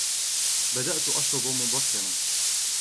بدأت أشرب مبكّرا.